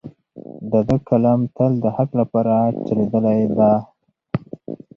د ده قلم تل د حق لپاره چلیدلی دی.